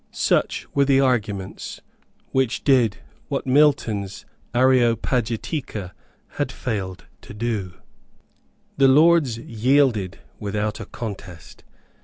Such were the arguments which did what Milton's Areopagitica had failed to do. The Lords yielded without a contest.